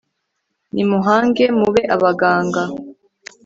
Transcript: nimuhange mube abaganga